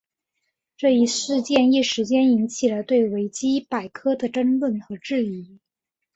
这一事件一时间引起了对维基百科的争论和质疑。